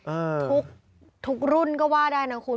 ทุกทุกรุ่นก็ว่าได้นะคุณ